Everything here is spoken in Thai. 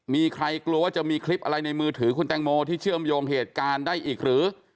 มีใครกลัวว่าจะมีคลิปอะไรในมือถือคุณแตงโมที่เชื่อมโยงเหตุการณ์ได้อีกหรือ